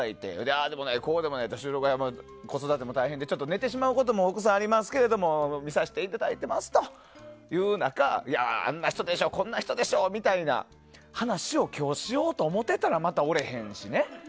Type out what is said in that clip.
ああでもない、こうでもない子育ても大変でちょっと寝てしまうことも奥さんありますけれども見させていただいていますという中あんな人でしょうこんな人でしょうみたいな話を今日しようと思っていたらまた、おれへんしね。